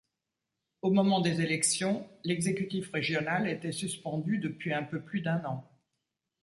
Au moment des élections, l'exécutif régional était suspendu depuis un peu plus d'un an.